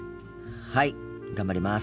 はい頑張ります！